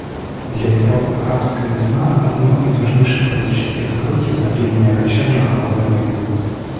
Для Европы «арабская весна» — одно из важнейших политических событий со времени окончания «холодной войны».